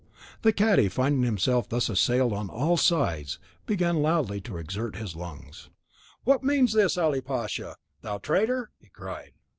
The cadi, finding himself thus assailed on all sides, began loudly to exert his lungs. "What means this, Ali Pasha, thou traitor?" he cried.